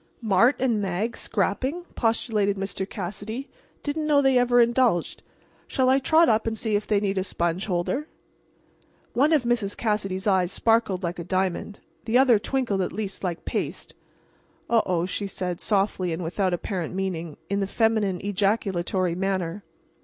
"Mart and Mag scrapping?" postulated Mr. Cassidy. "Didn't know they ever indulged. Shall I trot up and see if they need a sponge holder?" One of Mrs. Cassidy's eyes sparkled like a diamond. The other twinkled at least like paste. "Oh, oh," she said, softly and without apparent meaning, in the feminine ejaculatory manner.